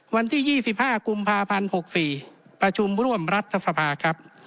วันที่ยี่สิบห้ากุมภาพันธ์หกสี่ประชุมร่วมรัฐสภาครับ